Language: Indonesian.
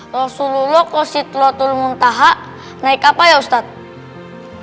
rasulullah ke sidratul muntaha naik apa ya ustadz